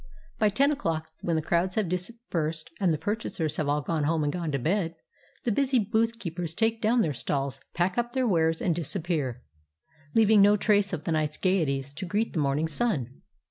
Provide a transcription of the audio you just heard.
By ten o'clock, when the crowds have dispersed and the purchasers have all gone home and gone to bed, the busy booth keepers take down their stalls, pack up their wares, and disappear, leaving no trace of the night's gayeties to greet the morning sun.